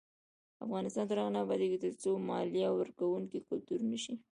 افغانستان تر هغو نه ابادیږي، ترڅو مالیه ورکول کلتور نشي.